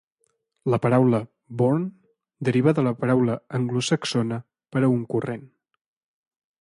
La paraula "bourne" deriva de la paraula anglosaxona per a un corrent.